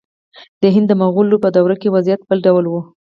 د هند د مغولو په دور کې وضعیت بل ډول و.